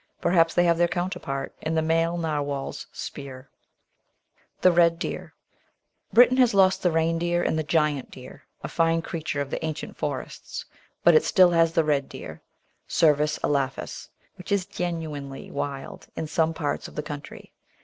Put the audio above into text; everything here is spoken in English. Perhaps they have their counterpart in the male narwhal's spear. 476 The Outline of Science The Red Deer Britain has lost the Reindeer and the Giant Deer, a fine creature of the ancient forests, but it still has the Red Deer {Cervus elaphus)^ which is genuinely wild in some parts of the country.